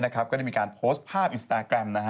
ก็ได้มีการโพสต์ภาพอินสตาแกรม